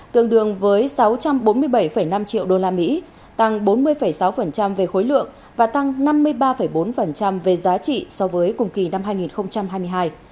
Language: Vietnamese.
tương đương với sáu trăm bốn mươi bảy năm triệu usd tăng bốn mươi sáu về khối lượng và tăng năm mươi ba bốn về giá trị so với cùng kỳ năm hai nghìn hai mươi hai